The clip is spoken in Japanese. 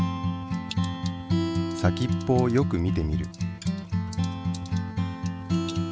先っぽをよく見てみる。